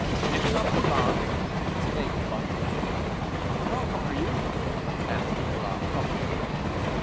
"Nicholas Poulain!" exclaimed the monk. "How are you?" asked Nicholas cautiously.